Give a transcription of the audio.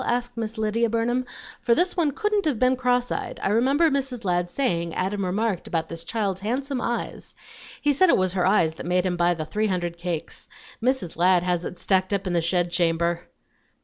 asked Miss Lydia Burnham; "for this one couldn't have been cross eyed; I remember Mrs. Ladd saying Adam remarked about this child's handsome eyes. He said it was her eyes that made him buy the three hundred cakes. Mrs. Ladd has it stacked up in the shed chamber."